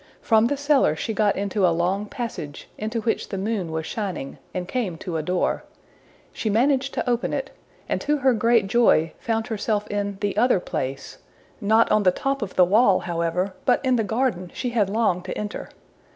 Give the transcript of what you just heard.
From the cellar she got into a long passage, into which the moon was shining, and came to a door. She managed to open it, and to her great joy found herself in the other place, not on the top of the wall, however, but in the garden she had longed to enter.